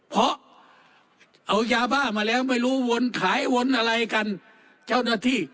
เพราะเอายาบ้ามาแล้วไม่รู้วนขายวนอะไรกันเจ้าหน้าที่